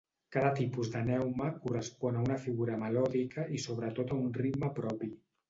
Cada tipus de neuma correspon a una figura melòdica i sobretot a un ritme propi.